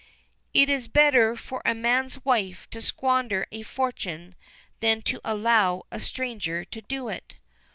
"It is better for a man's wife to squander a fortune than to allow a stranger to do it."